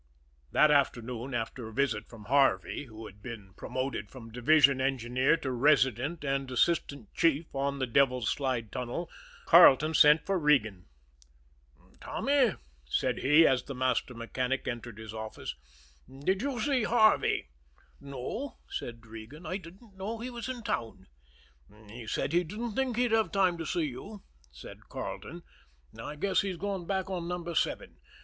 That afternoon, after a visit from Harvey, who had been promoted from division engineer to resident and assistant chief on the Devil's Slide tunnel, Carleton sent for Regan. "Tommy," said he, as the master mechanic entered his office, "did you see Harvey?" "No," said Regan. "I didn't know he was in town." "He said he didn't think he'd have time to see you," said Carleton; "I guess he's gone back on Number Seven.